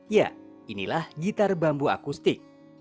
ya inilah gitar bambu akustik